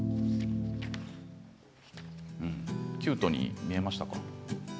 キュートに見えましたか？